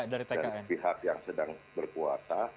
dari pihak yang sedang berkuasa